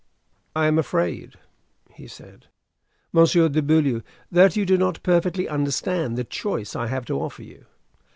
"I am afraid," he said, "Monsieur de Beaulieu, that you do not perfectly understand the choice I have to offer you.